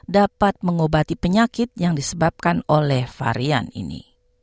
dapat mengobati penyakit yang disebabkan oleh varian ini